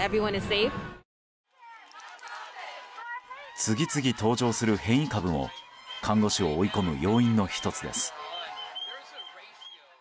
次々登場する変異株も看護師を追い込む要因の１つです。